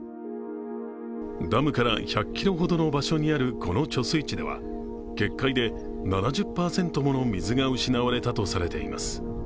ダムから１００ｋｍほどの場所にあるこの貯水池では、決壊で７０％もの水が失われたとされています。